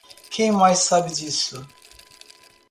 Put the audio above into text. Quem mais sabe disso?